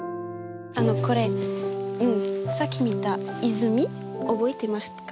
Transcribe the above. あのこれさっき見た泉覚えてますか？